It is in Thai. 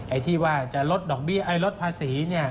ไอ้ที่ว่าจะลดภาษีเนี่ย